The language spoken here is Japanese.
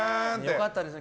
よかったです。